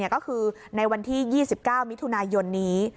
ก็คือในวันที่๒๙มิถุนายนนี้